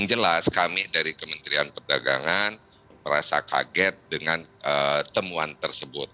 yang jelas kami dari kementerian perdagangan merasa kaget dengan temuan tersebut